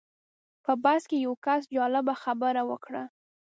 په بس کې یو کس جالبه خبره وکړه.